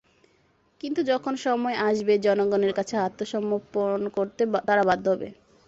কিন্তু যখন সময় আসবে, জনগণের কাছে আত্মসমর্পণ করতে তারা বাধ্য হবে।